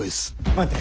待て！